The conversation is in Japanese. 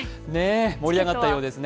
盛り上がったようですね。